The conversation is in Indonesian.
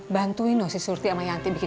bantuin noh si surti ama yanti bikin